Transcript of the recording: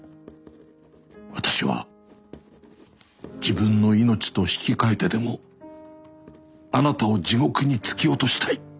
私は自分の命と引き換えてでもあなたを地獄に突き落としたい」。